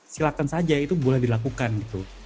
silakan saja itu boleh dilakukan gitu